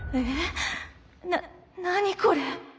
な何これ。